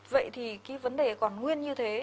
vậy thì cái vấn đề còn nguyên như thế